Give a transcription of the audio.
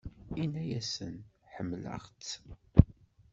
Ini-asen ḥemmleɣ-tt.